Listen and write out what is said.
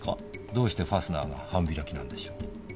どうしてファスナーが半開きなんでしょう？